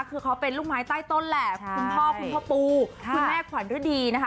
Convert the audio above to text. คือเขาเป็นลูกไม้ใต้ต้นแหละคุณพ่อคุณพ่อปูคุณแม่ขวัญฤดีนะคะ